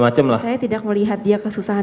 macam lah saya tidak melihat dia kesusahan